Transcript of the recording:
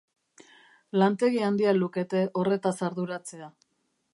Lantegi handia lukete horretaz arduratzea.